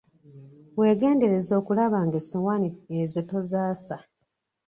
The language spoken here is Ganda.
Weegendereze okulaba ng'essowaani ezo tozaasa.